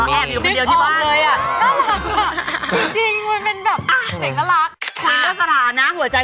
แต่จริงเป็นแบบแบบเป็นอย่างน่ะหัพตำราเนื้อหัวใจ